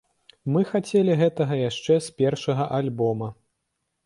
Мы хацелі гэтага яшчэ з першага альбома.